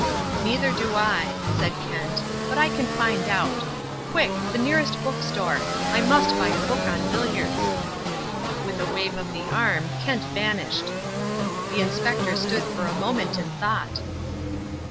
"Neither do I," said Kent, "but I can find out. Quick! The nearest book store. I must buy a book on billiards." With a wave of the arm, Kent vanished. The Inspector stood for a moment in thought.